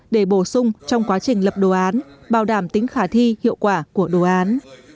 để bổ sung trong quá trình lập đồ án bảo đảm tính khả thi hiệu quả của đồ án